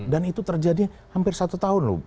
dan itu terjadi hampir satu tahun loh